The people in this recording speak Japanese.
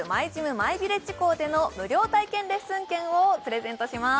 マイビレッジ校での無料体験レッスン券をプレゼントします